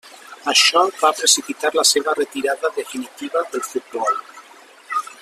Això va precipitar la seva retirada definitiva del futbol.